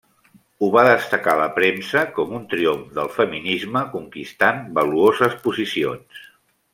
Ho va destacar la premsa com un triomf del feminisme conquistant valuoses posicions.